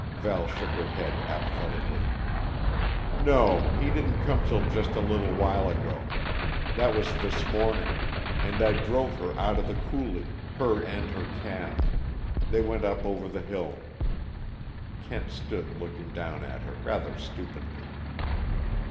Val shook her head apathetically. "No he didn't come till just a little while ago. That was this morning. And I drove her out of the coulee her and her calf. They went off up over the hill." Kent stood looking down at her rather stupidly.